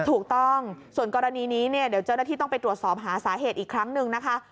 ถูกต้องส่วนกรณีนี้เนี่ยเดี๋ยวเจ้าหน้าที่ต้องไปตรวจสอบหาสาเหตุอีกครั้งหนึ่งนะคะ